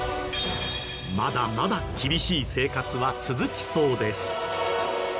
まだまだ厳しい生活は続きそうです。